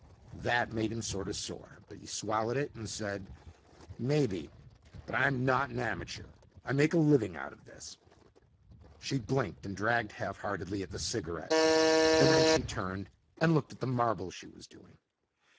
That made him sort of sore. But he swallowed it and said, "Maybe, but I'm not an amateur. I make a living out of this." She blinked and dragged half heartedly at the cigarette and then she turned and looked at the marble she was doing.